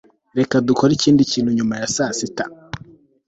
reka dukore ikindi kintu nyuma ya saa sita